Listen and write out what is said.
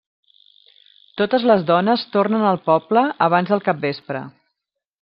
Totes les dones tornen al poble abans del capvespre.